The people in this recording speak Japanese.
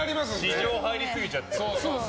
私情入りすぎちゃってる。